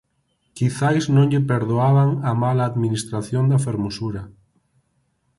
Quizais non lle perdoaban a mala administración da fermosura.